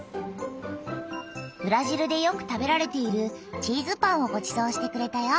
ブラジルでよく食べられているチーズパンをごちそうしてくれたよ。